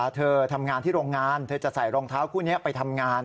เธอทำงานที่โรงงานเธอจะใส่รองเท้าคู่นี้ไปทำงาน